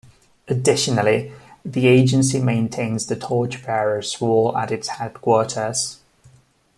Additionally, the agency maintains the Torch Bearers Wall at its Headquarters.